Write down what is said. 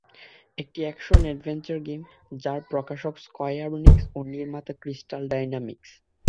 এটি action adventure game, যার প্রকাশক স্কয়ার নিক্স এবং নির্মাতা ক্রিস্টাল ডায়নামিক্স।